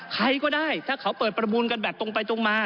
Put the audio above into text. ใครก็ได้ถ้าเขาเปิดประมูลกันแบบตรงไปตรงมา